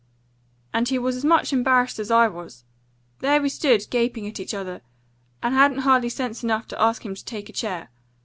"And he was as much embarrassed as I was. There we stood, gaping at each other, and I hadn't hardly sense enough to ask him to take a chair.